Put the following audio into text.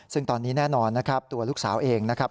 ซึ่งตอนนี้แน่นอนนะครับตัวลูกสาวเองนะครับ